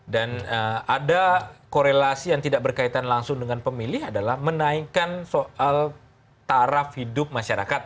dan ada korelasi yang tidak berkaitan langsung dengan pemilih adalah menaikkan soal taraf hidup masyarakat